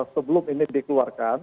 sebelum ini dikeluarkan